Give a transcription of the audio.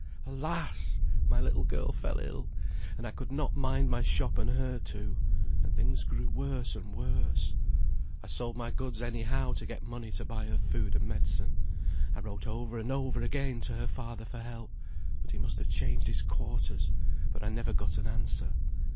alas! my little girl fell ill, and I could not mind my shop and her too; and things grew worse and worse. I sold my goods any how to get money to buy her food and medicine; I wrote over and over again to her father for help, but he must have changed his quarters, for I never got an answer.